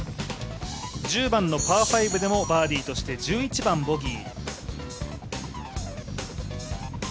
１０番のパー５でもバーディーとして１１番ボギー。